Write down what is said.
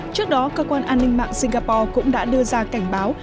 trước đó cơ quan an ninh mạng singapore cũng đã đưa ra cảnh báo